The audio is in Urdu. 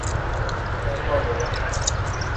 ایکواڈور